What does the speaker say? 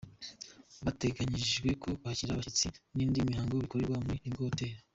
Biteganyijwe ko kwakira abashyitsi n’indi mihango bikorerwa muri Lemigo Hotel.